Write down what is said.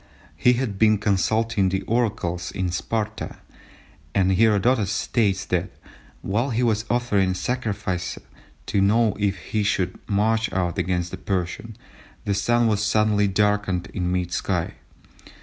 He had been consulting the oracles at Sparta, and Herodotus states that "while he was offering sacrifice to know if he should march out against the Persian, the Sun was suddenly darkened in mid sky."